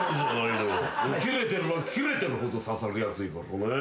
切れてれば切れてるほどささりやすいからねぇ。